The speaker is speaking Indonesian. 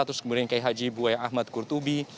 terus kemudian kay haji buway ahmad kurtubi